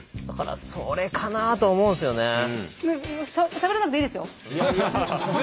だからそれかなと思うんですよね。